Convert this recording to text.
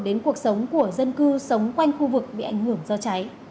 đến cuộc sống của dân cư sống quanh khu vực bị ảnh hưởng do cháy